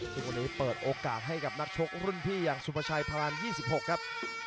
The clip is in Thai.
ซึ่งวันนี้เปิดโอกาสให้กับนักชกรุ่นพี่อย่างสุภาชัยพราน๒๖ครับ